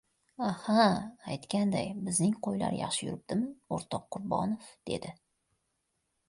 — Aha, aytganday, bizning qo‘ylar yaxshi yuribdimi, o‘rtoq Qurbonov? — dedi.